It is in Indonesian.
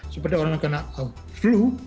seperti orang yang kena flu